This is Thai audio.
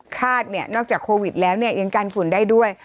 คาดเนี่ยนอกจากโควิดแล้วเนี่ยยังกันฝุ่นได้ด้วย